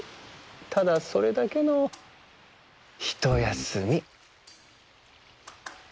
ただそれだけのひとやすみ。